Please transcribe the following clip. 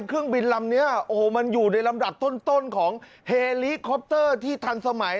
เครื่องบินลำนี้โอ้โหมันอยู่ในลำดับต้นของเฮลิคอปเตอร์ที่ทันสมัย